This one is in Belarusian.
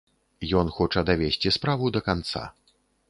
Ён хоча давесці справу да канца.